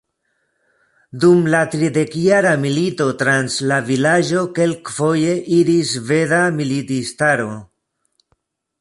Dum la Tridekjara milito trans la vilaĝo kelkfoje iris sveda militistaro.